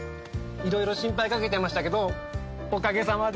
いろいろ心配かけちゃいましたけどおかげさまで。